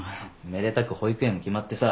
めでたく保育園も決まってさ。